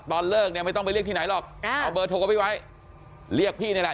ตอนเลิกเนี่ยไม่ต้องไปเรียกที่ไหนหรอกเอาเบอร์โทรไปไว้เรียกพี่นี่แหละ